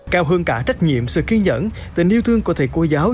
cao hơn cả trách nhiệm sự kiên nhẫn tình yêu thương của thầy cô giáo